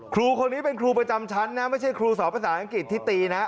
ครูคนนี้เป็นครูประจำชั้นนะไม่ใช่ครูสอบภาษาอังกฤษที่ตีนะ